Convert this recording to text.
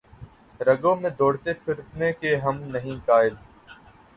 رگوں میں دوڑتے پھرنے کے ہم نہیں قائل